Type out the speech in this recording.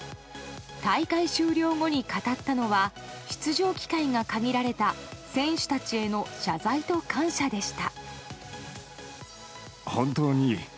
大会終了後に語ったのは出場機会が限られた選手たちへの謝罪と感謝でした。